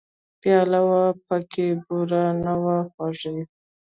پیاله وه پکې بوره نه وه خوږې !